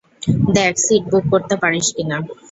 দ্যাখ, seat book করতে পারিস কিনা।